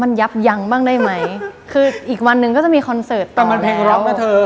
มันยับยังต่อได้มั้ยคืออีกวันนึงก็จะมีคอนเสิร์ตต่อแล้ว